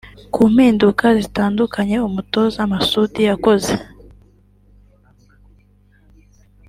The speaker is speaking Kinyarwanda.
Ku mpinduka zitandukanye umutoza Masudi yakoze